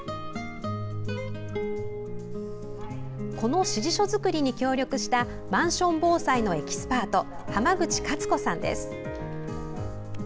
この指示書作りに協力したマンション防災のエキスパート濱口加津子さんです。